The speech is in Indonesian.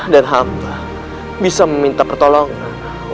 dan hamba bisa meminta pertolongan